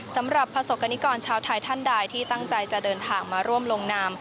สำหรับประสบกรณิกรชาวไทยท่านใดที่ตั้งใจจะเดินทางมาร่วมลงนาม